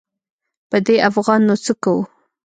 په دې افغان نو څه کوو.